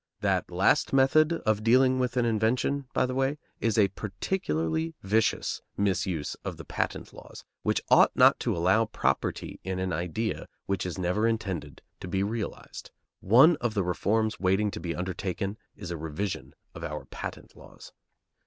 That last method of dealing with an invention, by the way, is a particularly vicious misuse of the patent laws, which ought not to allow property in an idea which is never intended to be realized. One of the reforms waiting to be undertaken is a revision of our patent laws.